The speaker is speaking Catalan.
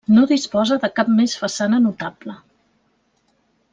No disposa de cap més façana notable.